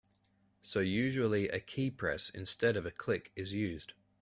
So usually a keypress instead of a click is used.